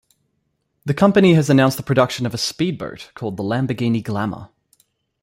The company has announced the production of a speedboat called the Lamborghini Glamour.